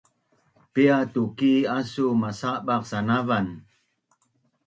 Pia tuki asu masabaq sanavan?